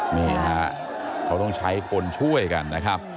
นี่ฮะเขาต้องใช้คนช่วยกันนะครับ